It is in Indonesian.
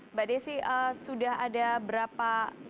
mbak desi sudah ada berapa